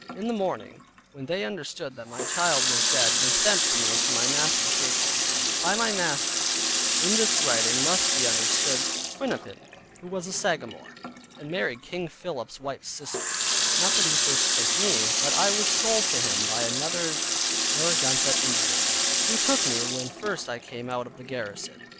In the morning, when they understood that my child was dead they sent for me home to my master's wigwam (by my master in this writing, must be understood Quinnapin, who was a Sagamore, and married King Philip's wife's sister; not that he first took me, but I was sold to him by another Narragansett Indian, who took me when first I came out of the garrison).